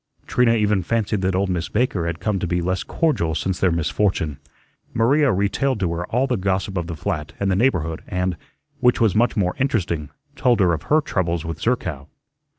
Trina even fancied that old Miss Baker had come to be less cordial since their misfortune. Maria retailed to her all the gossip of the flat and the neighborhood, and, which was much more interesting, told her of her troubles with Zerkow.